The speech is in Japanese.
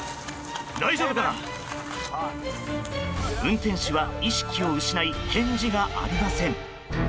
運転手は意識を失い返事がありません。